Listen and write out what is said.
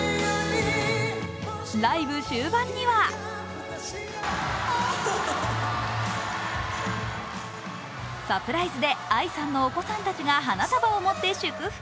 ライブ終盤にはサプライズでＡＩさんのお子さんたちが花束を持って祝福。